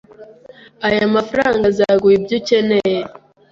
Aya mafranga azaguha ibyo ukeneye?